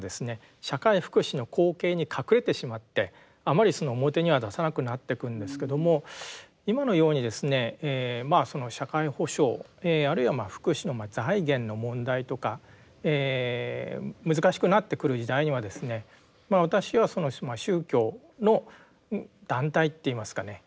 社会福祉の後景に隠れてしまってあまり表には出さなくなってくんですけども今のようにですねまあ社会保障あるいは福祉の財源の問題とか難しくなってくる時代にはですね私は宗教の団体って言いますかね